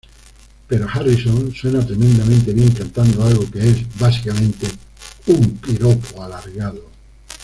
Pero Harrison suena tremendamente bien cantando algo que es, básicamente, un piropo alargado.